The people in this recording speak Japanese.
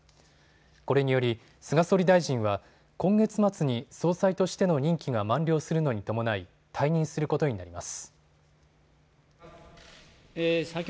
これにより、菅総理大臣は、今月末に総裁としての任期が満了するのに伴い、退任することになります。